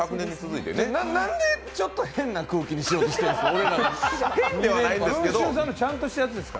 なんで、ちょっと変な空気にしようとしてるんですか？